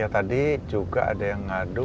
tadi juga ada yang ngadu